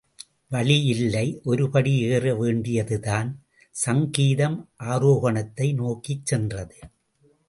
வழி இல்லை ஒரு படி ஏற வேண்டியது தான் சங் கீதம் ஆரோகணத்தை நோக்கிச் சென்றது.